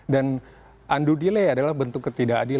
dan undue delay adalah bentuk ketiga